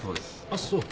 あっそう。